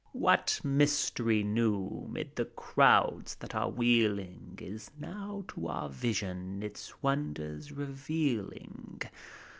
NEREUS. What mystery new, 'mid the crowds that are wheeling Is now to our vision its wonders revealing t 132 FAUST.